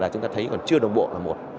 chúng ta thấy còn chưa đồng bộ là một